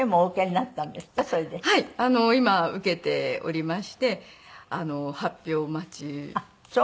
今受けておりまして発表待ちです。